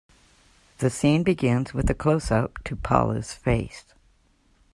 The scene begins with a closeup to Paula's face.